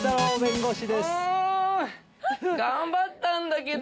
うん！頑張ったんだけど。